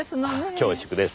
恐縮です。